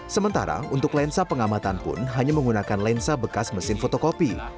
sementara untuk lensa pengamatan pun hanya menggunakan lensa bekas mesin fotokopi